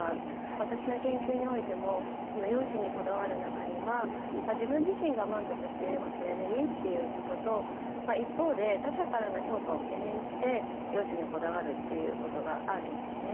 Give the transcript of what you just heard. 私の研究においても容姿にこだわる中には自分自身が満足していればそれでいいということと、一方で他者からの評価を懸念して容姿にこだわるということがあるんですね。